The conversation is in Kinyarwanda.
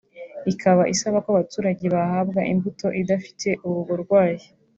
ikaba isaba ko abaturage bahabwa imbuto idafite ubu burwayi